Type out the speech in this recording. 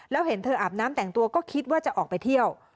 แล้วเห็นเธออาบน้ำแต่งตัวก็คิดว่าจะออกไปเที่ยว